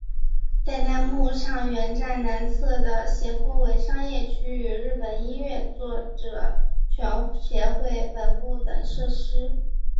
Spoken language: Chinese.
代代木上原站南侧的斜坡为商业区与日本音乐着作权协会本部等设施。